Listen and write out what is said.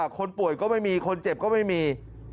คนป่วยก็ไม่มีคนเจ็บก็ไม่มี